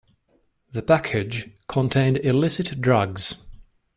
The package contained illicit drugs